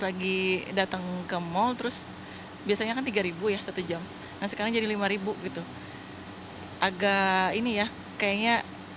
lagi datang ke mal terus biasanya kan tiga ribu ya satu jam nah sekarang jadi lima ribu gitu agak ini ya kayaknya